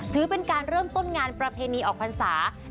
ถือเป็นการเริ่มต้นงานประเพณีออกพันธุ์ศาสตร์